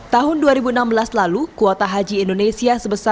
tahun dua ribu enam belas lalu kuota haji indonesia sebesar